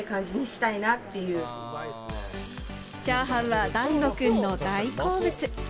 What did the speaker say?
チャーハンは大吾くんの大好物。